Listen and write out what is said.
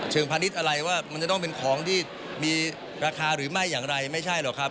พาณิชย์อะไรว่ามันจะต้องเป็นของที่มีราคาหรือไม่อย่างไรไม่ใช่หรอกครับ